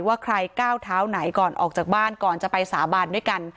ว่าใครก้าวเท้าไหนก่อนออกจากบ้านก่อนจะไปสาบานด้วยกัน